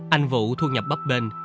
anh vũ thu nhập bấp bên